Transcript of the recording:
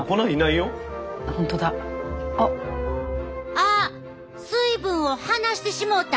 あっ水分を離してしもうた。